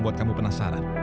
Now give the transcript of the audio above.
bahkan dia nggak gimana